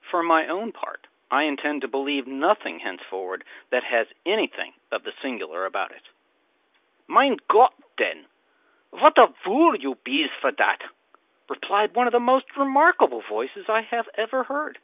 For my own part, I intend to believe nothing henceforward that has anything of the ‘singular’ about it.” “Mein Gott, den, vat a vool you bees for dat!” replied one of the most remarkable voices I ever heard.